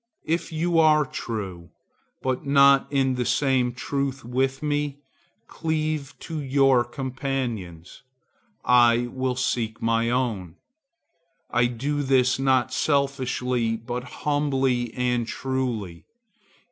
If you are true, but not in the same truth with me, cleave to your companions; I will seek my own. I do this not selfishly but humbly and truly.